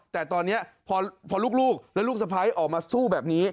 แต่ตอนนี้พอลูกและลูกสะพ้ายออกมาสู้แบบนี้